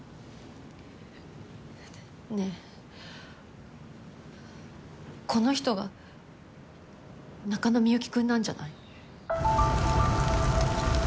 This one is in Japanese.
ねえこの人が中野幸くんなんじゃない？